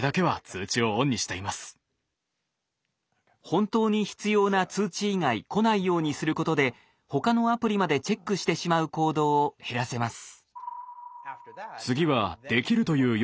本当に必要な通知以外来ないようにすることで他のアプリまでチェックしてしまう行動を減らせます。